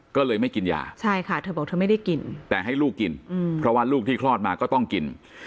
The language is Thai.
ก็เลยไม่กินยาใช่ค่ะเธอบอกเธอไม่ได้กินแต่ให้ลูกกินเพราะว่าลูกที่คลอดมาก็ต้องกิน